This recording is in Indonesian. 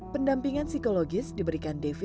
pendampingan psikologis diberikan devi